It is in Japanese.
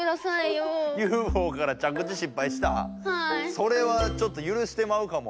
それはちょっと許してまうかも。